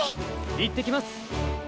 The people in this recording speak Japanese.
いってきます！